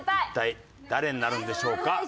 一体誰になるんでしょうか？